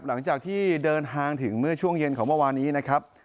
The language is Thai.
หลังจากที่เดินทางถึงเมื่อช่วงเย็นของเมื่อวานนี้นะครับ